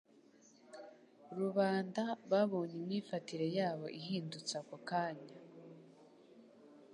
Rubanda babonye imyifatire yabo ihindutse ako kanya,